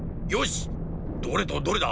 どれとどれだ？